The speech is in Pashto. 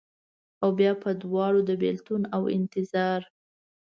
اوبیا په دواړو، د بیلتون اوانتظار